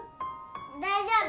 大丈夫。